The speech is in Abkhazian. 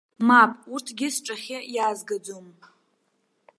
Мап, урҭгьы сҿахьы иаазгаӡом.